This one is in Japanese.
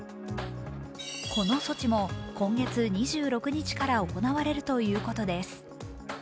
この措置も今月２６日から行われるということです。